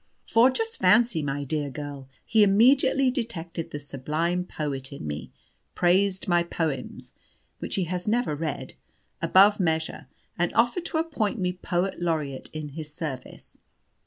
For, just fancy, my dear girl, he immediately detected the sublime poet in me, praised my poems (which he has never read) above measure, and offered to appoint me Poet Laureate in his service.